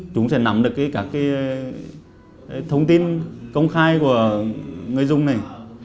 chúng sẽ nắm được các thông tin công khai của người dùng này